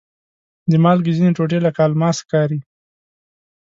د مالګې ځینې ټوټې لکه الماس ښکاري.